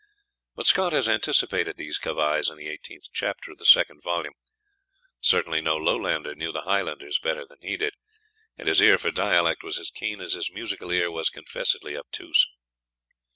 But Scott has anticipated these cavils in the eighteenth chapter of the second volume. Certainly no Lowlander knew the Highlanders better than he did, and his ear for dialect was as keen as his musical ear was confessedly obtuse.